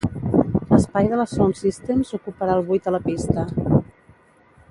L'espai de les Sounds Systems ocuparà el buit a la pista.